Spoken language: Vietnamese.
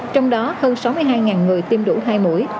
trong đó hơn sáu mươi hai người tiêm đủ hai mũi